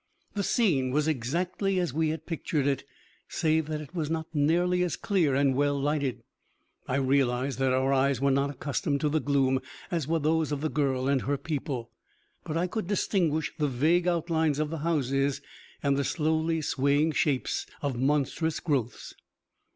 The scene was exactly as we had pictured it, save that it was not nearly as clear and well lighted. I realized that our eyes were not accustomed to the gloom, as were those of the girl and her people, but I could distinguish the vague outlines of the houses, and the slowly swaying shapes of monstrous growths.